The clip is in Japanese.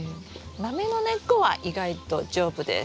マメの根っこは意外と丈夫です。